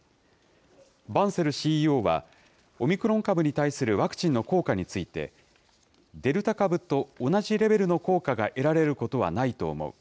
バンセルＣＥＯは、オミクロン株に対するワクチンの効果について、デルタ株と同じレベルの効果が得られることはないと思う。